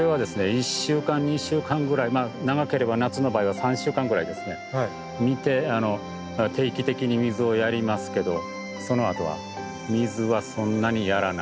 １週間２週間ぐらい長ければ夏の場合は３週間ぐらい見て定期的に水をやりますけどそのあとは水はそんなにやらない。